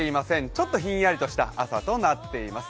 ちょっとひんやりとした朝となっています。